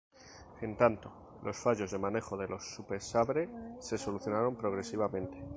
En tanto, los fallos de manejo de los "Super Sabre" se solucionaron progresivamente.